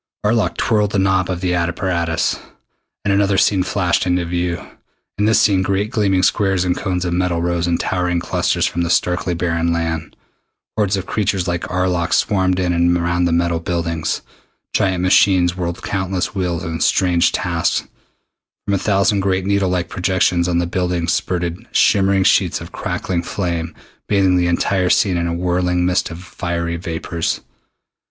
Arlok twirled the knob of the apparatus, and another scene flashed into view. In this scene great gleaming squares and cones of metal rose in towering clusters from the starkly barren land. Hordes of creatures like Arlok swarmed in and around the metal buildings. Giant machines whirled countless wheels in strange tasks. From a thousand great needle like projections on the buildings spurted shimmering sheets of crackling flame, bathing the entire scene in a whirling mist of fiery vapors.